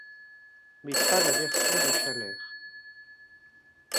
Mais pas la version de Schaller.